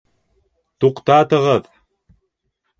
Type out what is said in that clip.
Туҡтатығыҙ!